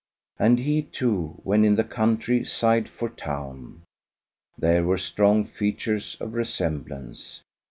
And he, too, when in the country, sighed for town. There were strong features of resemblance.